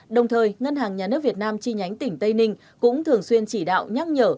đồng thời ngân hàng nhà nước việt nam chi nhánh tỉnh tây ninh cũng thường xuyên chỉ đạo nhắc nhở